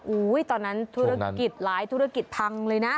ตอนนั้นธุรกิจหลายธุรกิจพังเลยนะ